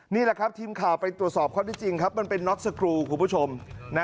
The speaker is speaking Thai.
นี่แหละครับทีมข่าวไปตรวจสอบข้อที่จริงครับมันเป็นน็อตสกรูคุณผู้ชม